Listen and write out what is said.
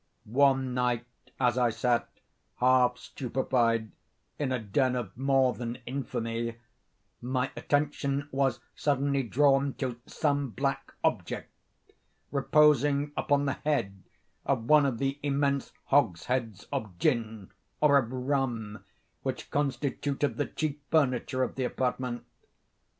One night as I sat, half stupefied, in a den of more than infamy, my attention was suddenly drawn to some black object, reposing upon the head of one of the immense hogsheads of gin, or of rum, which constituted the chief furniture of the apartment.